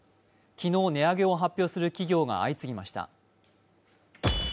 昨日、値上げを発表する企業が相次ぎました。